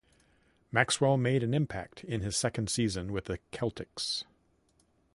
Maxwell made an impact in his second season with the Celtics.